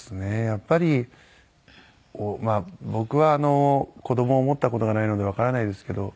やっぱり僕は子供を持った事がないのでわからないんですけど。